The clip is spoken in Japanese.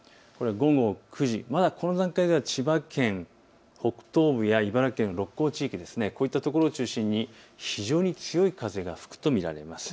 午後９時、この段階では千葉県北東部や茨城県の鹿行地域、こういったところ非常に強い風が吹くと見られます。